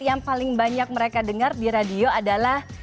yang paling banyak mereka dengar di radio adalah